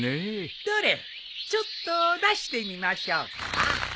どれちょっと出してみましょうか。